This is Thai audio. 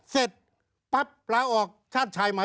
เสร็จปั๊บลาออกชาติชายมา